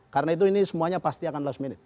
karena itu ini semuanya pasti akan last minute